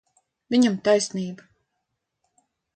Viņam taisnība.